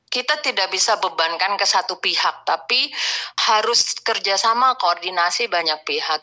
kita tidak bisa bebankan ke satu pihak tapi harus kerjasama koordinasi banyak pihak